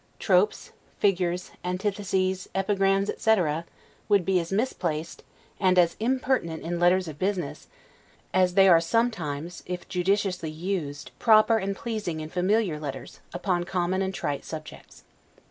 Tropes, figures, antitheses, epigrams, etc., would be as misplaced and as impertinent in letters of business, as they are sometimes (if judiciously used) proper and pleasing in familiar letters, upon common and trite subjects.